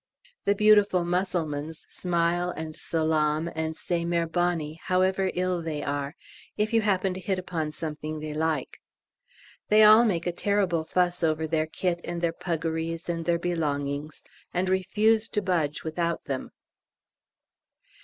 The beautiful Mussulmans smile and salaam and say Merbani, however ill they are, if you happen to hit upon something they like. They all make a terrible fuss over their kit and their puggarees and their belongings, and refuse to budge without them.